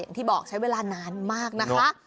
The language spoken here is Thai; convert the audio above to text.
ที่บอกใช้เวลานานมากนะคะ